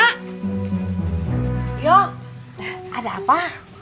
yoyok ada apa